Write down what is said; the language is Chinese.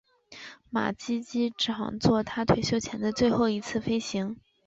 马基机长作他退休前的最后一次飞行。